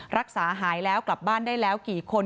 รักษาหายแล้วกลับบ้านได้แล้วกี่คน